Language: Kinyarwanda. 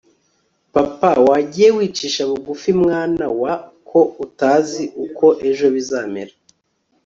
Papa wagiye wicisha bugufi mwana wa ko utazi uko ejo bizamera